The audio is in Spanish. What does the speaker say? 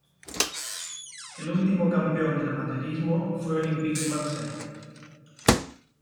El último campeón del amateurismo fue Olympique de Marseille.